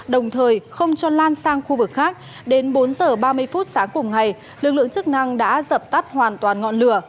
đồng thời không cho lan sang khu vực khác đến bốn h ba mươi phút sáng cùng ngày lực lượng chức năng đã dập tắt hoàn toàn ngọn lửa